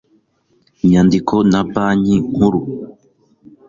nyandiko na banki nkuru